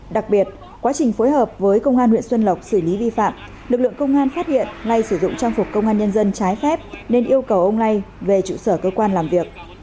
đặc biệt quá trình phối hợp với công an huyện xuân lộc xử lý vi phạm lực lượng công an phát hiện nay sử dụng trang phục công an nhân dân trái phép nên yêu cầu ông ngay về trụ sở cơ quan làm việc